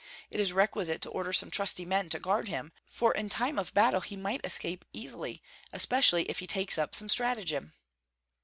It is requisite to order some trusty men to guard him; for in time of battle he might escape easily, especially if he takes up some stratagem."